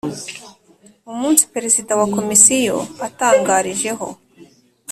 umunsi Perezida wa Komisiyo atangarijeho